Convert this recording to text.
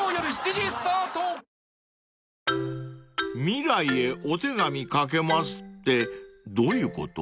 ［「未来へお手紙書けます」ってどういうこと？］